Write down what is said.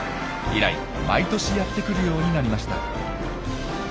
以来毎年やって来るようになりました。